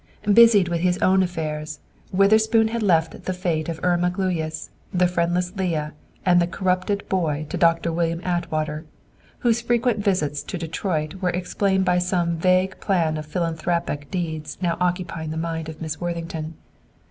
Busied with his own affairs, Witherspoon left the fate of Irma Gluyas, the friendless Leah, and the corrupted boy to Doctor William Atwater, whose frequent visits to Detroit were explained by some vague plan of philanthropic deeds now occupying the mind of Miss Worthington.